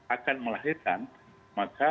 akan melahirkan maka